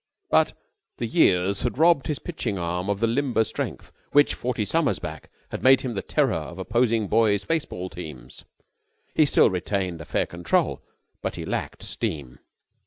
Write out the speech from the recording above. But the years had robbed his pitching arm of the limber strength which, forty summers back, had made him the terror of opposing boys' baseball teams. He still retained a fair control but he lacked steam.